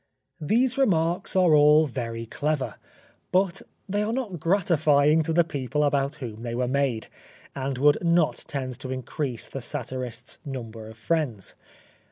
These remarks are all very clever, but they are not gratifying to the people about whom they were made, and would not tend to increase the satirist's number of friends.